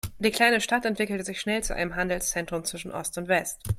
Die kleine Stadt entwickelte sich schnell zu einem Handelszentrum zwischen Ost und West.